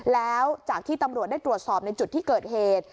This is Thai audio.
แล้วจากที่ตำรวจได้ตรวจสอบในจุดที่เกิดเหตุ